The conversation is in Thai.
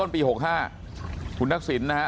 ปี๖๕คุณนักศิลป์นะฮะ